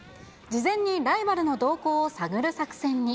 事前にライバルの動向を探る作戦に。